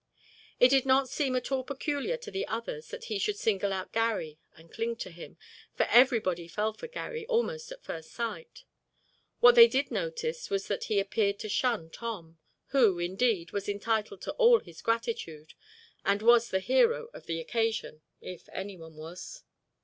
It did not seem at all peculiar to the others that he should single out Garry and cling to him, for everybody fell for Garry almost at first sight. What they did notice was that he appeared to shun Tom, who, indeed, was entitled to all his gratitude and was the hero of the occasion if anyone was.